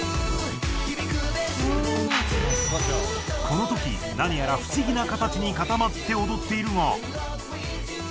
この時何やら不思議な形に固まって踊っているが。